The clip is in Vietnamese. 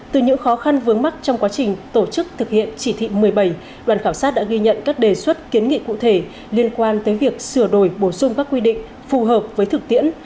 từ những khó khăn vướng mắt trong quá trình tổ chức thực hiện chỉ thị một mươi bảy đoàn khảo sát đã ghi nhận các đề xuất kiến nghị cụ thể liên quan tới việc sửa đổi bổ sung các quy định phù hợp với thực tiễn